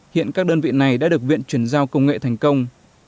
hiện các đơn vị này đã được viện chuyển giao công nghệ thành công